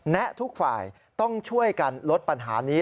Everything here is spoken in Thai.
และทุกฝ่ายต้องช่วยกันลดปัญหานี้